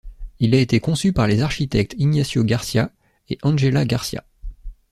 Il a été conçu par les architectes Ignacio García et Ángela García.